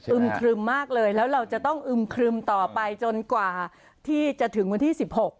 ครึมมากเลยแล้วเราจะต้องอึมครึมต่อไปจนกว่าที่จะถึงวันที่๑๖